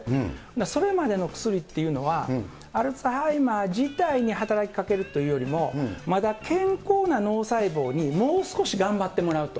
それまでの薬っていうのは、アルツハイマー自体に働きかけるというよりも、まだ健康な脳細胞にもう少し頑張ってもらうと。